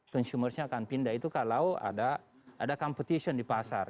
consumer nya akan pindah itu kalau ada competition di pasar